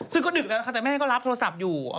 ซึ่งก็ดึกแล้วนะคะแต่แม่ก็รับโทรศัพท์อยู่